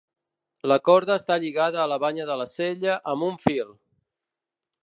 La corda està lligada a la banya de la sella amb un fil.